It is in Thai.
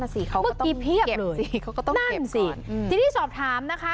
นั่นอ่ะสิเขาก็ต้องเก็บสิเขาก็ต้องเก็บก่อนนั่นสิที่ที่สอบถามนะคะ